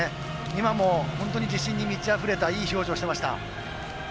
今も本当に自信に満ちあふれた本当にいい表情していました。